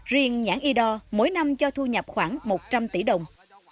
riêng nhãn y đo mỗi năm cho thu nhập khoảng một trăm linh tỷ đồng